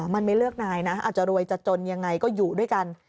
มันไม่เลือกนายนะอาจจะรวยจะจนยังไงก็อยู่ด้วยกัน